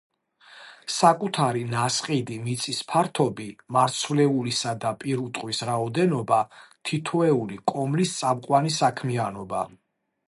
საკუთარი ნასყიდი მიწის ფართობი, მარცვლეულისა და პირუტყვის რაოდენობა, თითოეული კომლის წამყვანი საქმიანობა.